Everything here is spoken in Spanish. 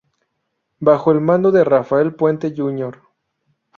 Bajo el mando de Rafael Puente Jr.